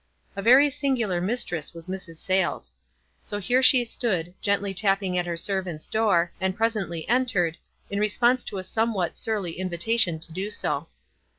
A very singular mistress was Mrs. Sayles. So here she stood, gently tapping at her servant's door, and pres ently entered, in response to a somewhat surly invitation to do so.